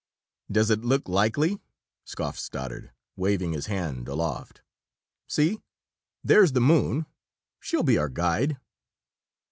"Does it look likely?" scoffed Stoddard, waving his hand aloft. "See there's the moon! She'll be our guide."